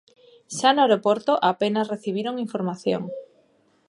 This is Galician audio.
Xa no aeroporto, apenas recibiron información.